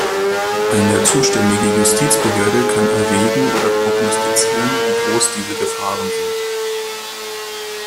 Eine zuständige Justizbehörde kann erwägen oder prognostizieren, wie groß diese Gefahren sind.